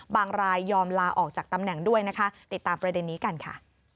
รายยอมลาออกจากตำแหน่งด้วยนะคะติดตามประเด็นนี้กันค่ะ